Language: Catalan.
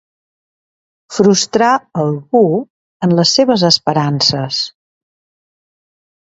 Frustrar algú en les seves esperances.